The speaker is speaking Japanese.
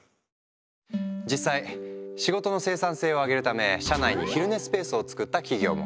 実際仕事の生産性を上げるため社内に昼寝スペースを作った企業も。